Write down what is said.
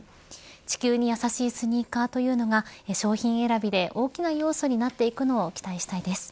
地球に優しいスニーカーというのが商品選びで大きな要素になっていくのを期待したいです。